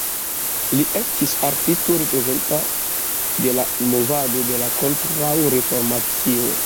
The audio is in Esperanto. Li estis artisto reprezenta de la movado de la Kontraŭreformacio.